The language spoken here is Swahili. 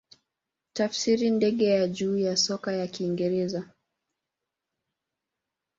Tafsiri ndege ya juu ya soka ya Kiingereza.